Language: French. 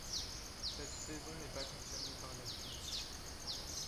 Cette saison n'est pas confirmée par la suite.